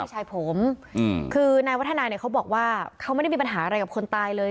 ชายผมคือนายวัฒนาเนี่ยเขาบอกว่าเขาไม่ได้มีปัญหาอะไรกับคนตายเลย